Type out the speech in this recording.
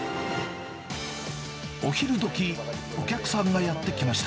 お昼どき、お客さんがやって来ました。